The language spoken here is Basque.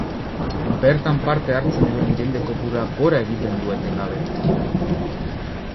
Bertan parte hartzen duen jende-kopuruak gora egiten du etengabe.